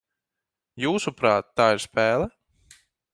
Jūsuprāt, tā ir spēle?